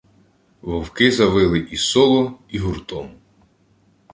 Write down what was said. Вовки завили і соло, і гуртом.